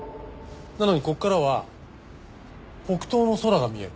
なのにここからは北東の空が見える。